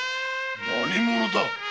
何者だ？